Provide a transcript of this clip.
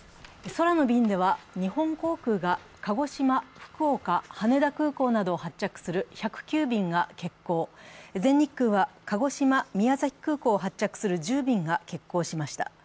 空の便では、日本航空が鹿児島・福岡・羽田空港などを発着する１０９便が欠航、全日空は鹿児島、宮崎空港を発着する１０便が欠航しました。